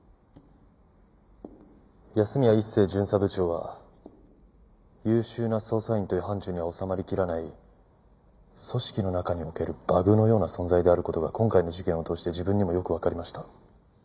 安洛一誠巡査部長は優秀な捜査員という範疇には収まりきらない組織の中におけるバグのような存在である事が今回の事件を通して自分にもよくわかりました。